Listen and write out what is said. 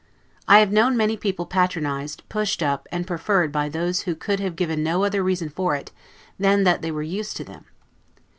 I have known many people patronized, pushed up, and preferred by those who could have given no other reason for it, than that they were used to them.